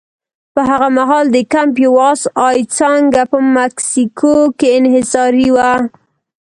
په هغه مهال د کمپ یو اس اې څانګه په مکسیکو کې انحصاري وه.